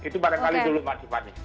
itu barangkali dulu mati mati